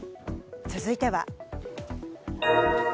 続いては。